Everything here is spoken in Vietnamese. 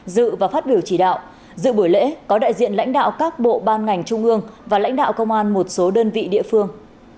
dự và phát biểu chỉ đạo dự buổi lễ có đại diện lãnh đạo các bộ ban ngành trung ương và lãnh đạo công an một số đơn vị địa phương